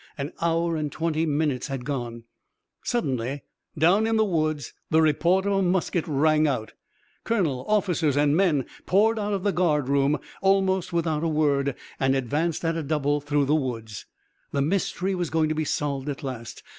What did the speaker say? An hour and twenty minutes had gone. Suddenly, down in the woods, the report of a musket rang out. Colonel, officers, and men poured out of the guard room, almost without a word, and advanced at a double through the woods. The mystery was going to be solved at last.